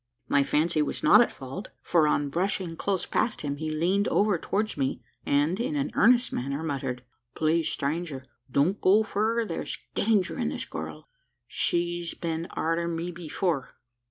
My fancy was not at fault: for, on brushing close past him, he leaned over towards me, and, in an earnest manner, muttered: "Please, stranger! don't go fur thar's danger in this girl. She's been arter me before."